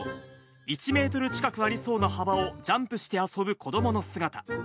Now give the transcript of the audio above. １メートル近くありそうな幅をジャンプして遊ぶ子どもの姿。